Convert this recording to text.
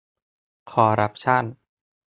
คอร์รัปชั่น